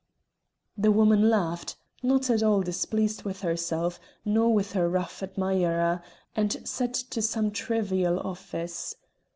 The woman laughed, not at all displeased with herself nor with her rough admirer, and set to some trivial office.